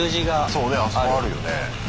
そうねあそこあるよね。